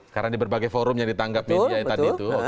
karena di berbagai forum yang ditanggap media yang tadi itu